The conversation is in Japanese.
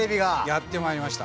やってまいりました。